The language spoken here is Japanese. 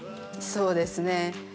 そうですね。